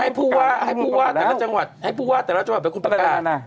ให้ผู้วาดแต่ละจังหวัดให้ผู้วาดแต่ละจังหวัดแต่คุณประกาศ